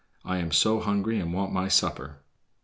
I am so hungry and want my supper."